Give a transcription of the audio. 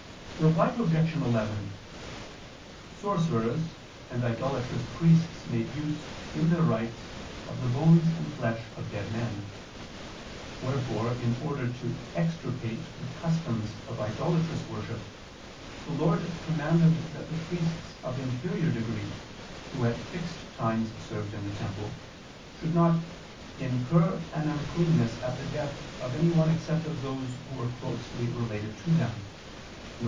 Reply Obj. 11: Sorcerers and idolatrous priests made use, in their rites, of the bones and flesh of dead men. Wherefore, in order to extirpate the customs of idolatrous worship, the Lord commanded that the priests of inferior degree, who at fixed times served in the temple, should not "incur an uncleanness at the death" of anyone except of those who were closely related to them, viz.